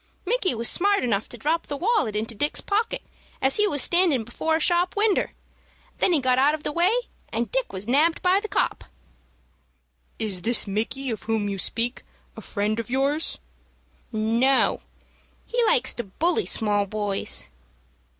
"Micky was smart enough to drop the wallet into Dick's pocket as he was standin' before a shop winder. Then he got out of the way, and Dick was nabbed by the 'copp.'" "Is this Micky of whom you speak a friend of yours?" "No; he likes to bully small boys."